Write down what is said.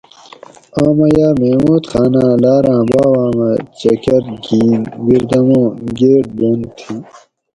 آمہ یاۤ محمود خاناۤں لاراۤں باباۤمہ چکۤر گِھین بِیردموں گیٹ بند تھی